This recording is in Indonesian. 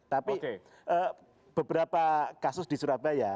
tapi beberapa kasus di surabaya